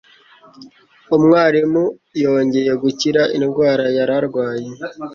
Umwarimu yongeye gukira indwara yari arwaye.